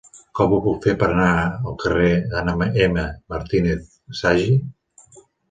Com ho puc fer per anar al carrer d'Anna M. Martínez Sagi?